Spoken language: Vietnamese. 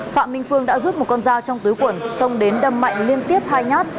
phạm minh phương đã rút một con dao trong tứ quẩn xong đến đâm mạnh liên tiếp hai nhát